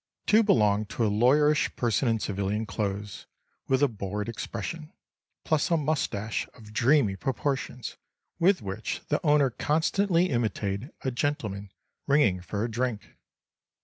Two belonged to a lawyerish person in civilian clothes, with a bored expression, plus a moustache of dreamy proportions with which the owner constantly imitated a gentleman ringing for a drink.